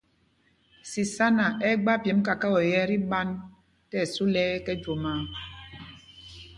Sisána ɛ́ gba pyemb kakao yɛ́ tí ɓand tí ɛsu lɛ ɛkɛ jwomaa.